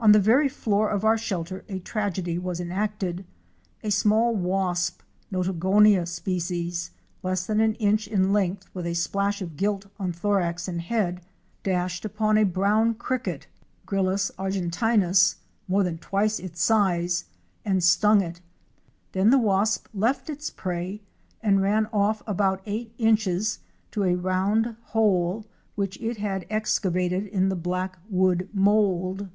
On the very floor of our shelter a tragedy was enacted. A small wasp (Notogonia sp.) less than an inch in length with a splash of gilt on thorax and head, dashed upon a brown 348 OUR SEARCH FOR A WILDERNESS. cricket (Gryllus argentinus) more than twice its size, and stung it. Then the wasp left its prey and ran off about eight inches to a round hole which it had excavated in the black wood mould.